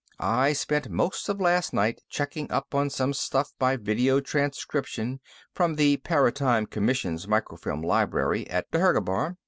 I spent most of last night checking up on some stuff by video transcription from the Paratime Commission's microfilm library at Dhergabar.